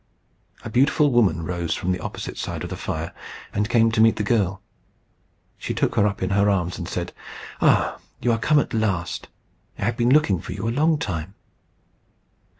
A beautiful woman rose from the opposite side of the fire and came to meet the girl. She took her up in her arms, and said, "Ah, you are come at last! I have been looking for you a long time."